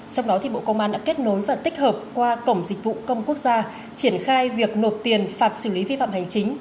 trong đó bộ công an đã kết nối và tích hợp qua cổng dịch vụ công quốc gia triển khai việc nộp tiền phạt xử lý vi phạm hành chính